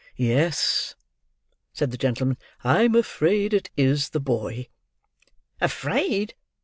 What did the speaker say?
"Yes," said the gentleman, "I am afraid it is the boy." "Afraid!"